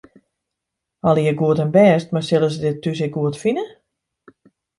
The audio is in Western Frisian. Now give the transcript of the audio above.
Allegearre goed en bêst, mar sille se dit thús ek goed fine?